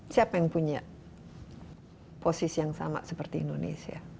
siapa yang punya posisi yang sama seperti indonesia